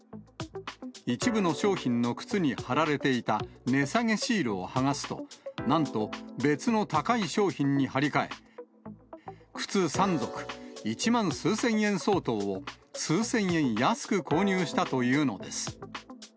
一部の商品の靴に貼られていた値下げシールを剥がすと、なんと別の高い商品に貼り替え、靴３足、１万数千円相当を、数千円安く購入したというのです。